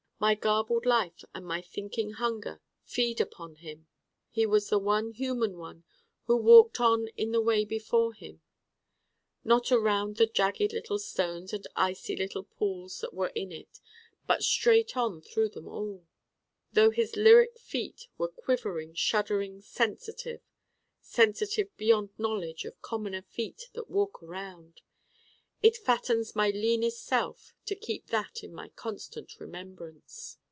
My garbled life and my thinking hunger feed upon him. He was the one human one who walked on in the way before him: not around the jagged little stones and icy little pools that were in it: but straight on through them all, though his lyric feet were quivering shuddering sensitive, sensitive beyond knowledge of commoner feet that walk around. It fattens my leanest self to keep that in my constant remembrance.